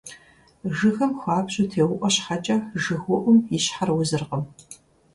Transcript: Жыгым хуабжьу теуIуэ щхьэкIэ, жыгыуIум и щхьэр узыркъым.